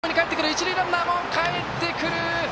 一塁ランナーもかえってくる！